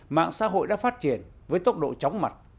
mạng xã hội đã phát triển với tốc độ chóng mặt